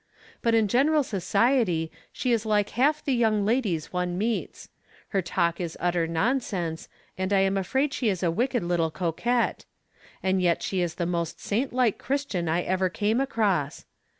But in general society she is hke half the young ladies one meets. Her talk is utter nonsense, and I am afraid she is a wicked little coquette. And yet she is the most saint like Christian I ever came across.